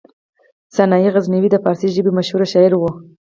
سنايي غزنوي د فارسي ژبې مشهور شاعر و.